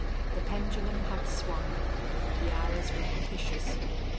The pendulum had swung. The hours were propitious.